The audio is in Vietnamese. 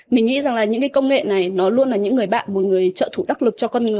mình nghĩ rằng là những cái công nghệ này nó luôn là những người bạn một người trợ thủ đắc lực cho con người